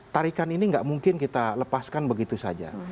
tarikan ini nggak mungkin kita lepaskan begitu saja